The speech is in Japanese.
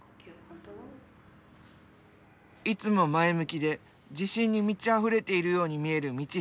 いつも前向きで自信に満ちあふれているように見える道下選手。